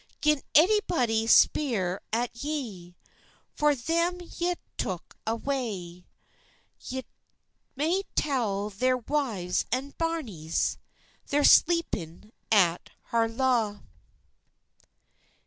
Gin anybody speer at ye For them ye took awa, Ye may tell their wives and bairnies, They're sleepin at Harlaw.